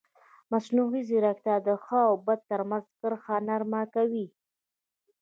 مصنوعي ځیرکتیا د ښه او بد ترمنځ کرښه نرمه کوي.